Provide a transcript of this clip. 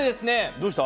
どうした？